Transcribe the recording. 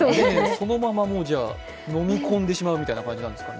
そのまま飲み込んでしまうみたいな感じなんですかね？